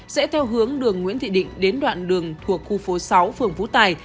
sẽ theo hướng đường nguyễn thị định đến đoạn đường thuộc khu phố sáu phường phú tài